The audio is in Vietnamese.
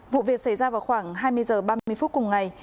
vụ việc xảy ra vào khoảng hai mươi h ba mươi phút cùng ngày